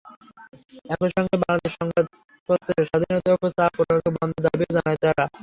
একই সঙ্গে বাংলাদেশে সংবাদপত্রের স্বাধীনতার ওপর চাপ প্রয়োগ বন্ধের দাবিও জানায় তারা।